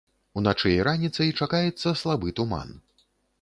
Уначы і раніцай чакаецца слабы туман.